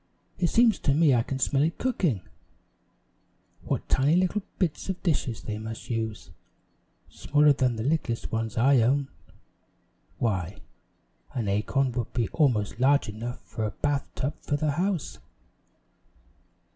"It seems to me I can smell it cooking. What tiny little bits of dishes they must use smaller than the littlest ones I own. Why, an acorn would be almost large enough for a bath tub for the house."